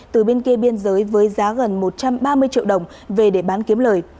từ bên kia biên giới với giá gần một trăm ba mươi triệu đồng về để bán kiếm lời